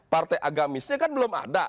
partai agamisnya kan belum ada